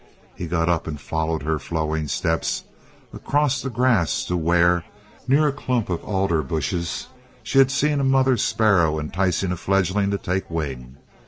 He got up and followed her flowing steps across the grass to where, near a clump of alder bushes, she had seen a mother sparrow enticing a fledgling to take wing.